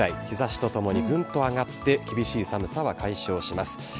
日ざしとともにぐんと上がって、厳しい寒さは解消します。